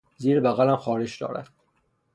زیر بغلم خارش دارد.